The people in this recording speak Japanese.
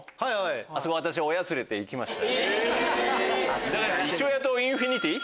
あそこ私親連れて行きました。